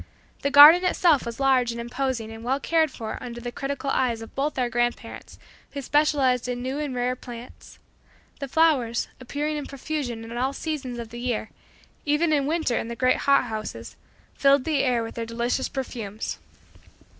The garden itself was large and imposing and well cared for under the critical eyes of both of our grandparents, who specialized in new and rare plants. The flowers, appearing in profusion in all seasons of the year (even in winter in the great hot houses), filled the air with their delicious perfumes.